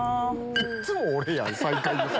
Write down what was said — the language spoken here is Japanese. いっつも俺やん最下位予想。